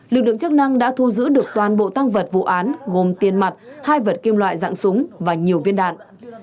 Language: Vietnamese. lực lượng chức năng đã thu giữ được toàn bộ tăng vật vụ án gồm tiền mặt hai vật kim loại dạng súng và nhiều viên đạn